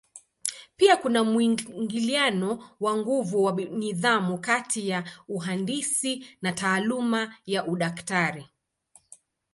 Pia kuna mwingiliano wa nguvu wa nidhamu kati ya uhandisi na taaluma ya udaktari.